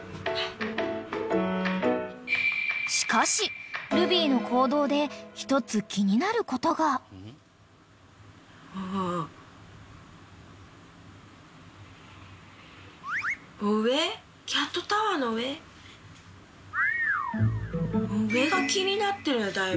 ［しかしルビーの行動で一つ気になることが］上が気になってるねだいぶ。